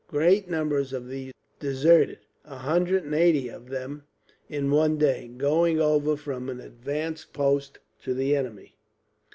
Great numbers of these deserted; a hundred and eighty of them, in one day, going over from an advanced post to the enemy.